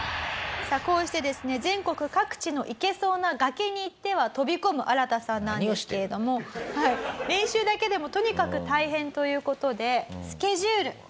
こうしてですね全国各地のいけそうな崖に行っては飛び込むアラタさんなんですけれども練習だけでもとにかく大変という事でスケジュール